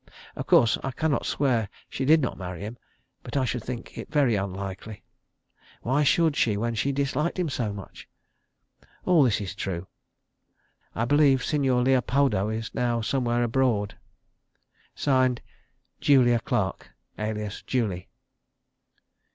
Of course I cannot swear she did not marry him, but I should think it very unlikely. Why should she when she disliked him so much? All this is true. I believe Signor Leopoldo is now somewhere abroad. (Signed) "JULIA CLARK, alias JULIE."